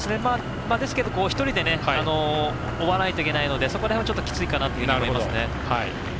ですけど１人で追わないといけないのでそこら辺はきついかなと思います。